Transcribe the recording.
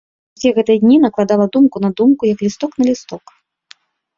Усе гэтыя дні накладала думку на думку, як лісток на лісток.